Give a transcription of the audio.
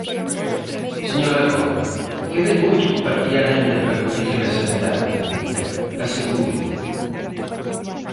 Señor Dacova, quédalle moito que patear aínda para coñecer a sanidade pública, asegúrollo.